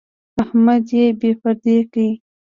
احمد يې بې پردې کړ.